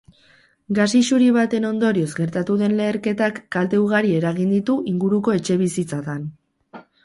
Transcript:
Gas isuri baten ondorioz gertatu den leherketak kalte ugari eragin ditu inguruko etxebizitzatan.